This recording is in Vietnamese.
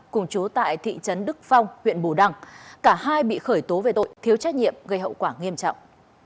cùng chú tại thị trấn đức phong huyện bù đăng cả hai bị khởi tố về tội thiếu trách nhiệm gây hậu quả nghiêm trọng